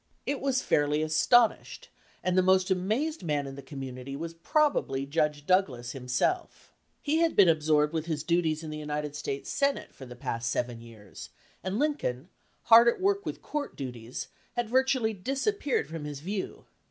It was fairly aston ished, and the most amazed man in the community was probably Judge Douglas himself. He had 264. m Judge Stephen A. Douglas LAW IN THE DEBATE been absorbed with his duties in the United States Senate for the past seven years, and Lincoln, hard at work with court duties, had vir tually disappeared from his view.